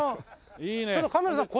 ちょっとカメラさん。